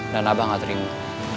dan abah gak terima